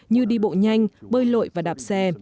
như đi bộ nhanh bơi lội và đạp xe